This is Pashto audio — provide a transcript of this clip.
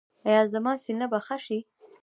ایا زما سینه به ښه شي؟